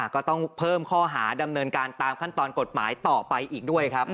ก็ต้องเพิ่มข้อหาดำเนินการตามขั้นตอนกฎหมายต่อไปอีกด้วยครับ